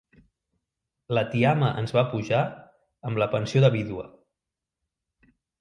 La tiama ens va pujar amb la pensió de vídua.